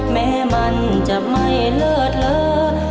แม้มันจะไม่เลิศเลอ